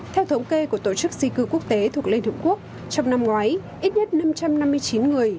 theo thống kê của tổ chức di cư quốc tế thuộc liên hợp quốc trong năm ngoái ít nhất năm trăm năm mươi chín người